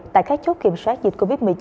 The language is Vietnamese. tại các chốt kiểm soát dịch covid một mươi chín